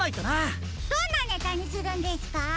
どんなネタにするんですか？